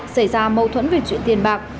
xảy ra mâu thuẫn về chuyện tiền bạc